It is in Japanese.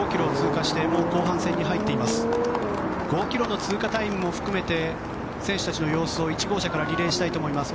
５ｋｍの通過タイムも含めて選手たちの様子を１号車からリレーしたいと思います。